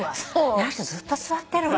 「あの人ずっと座ってるわ」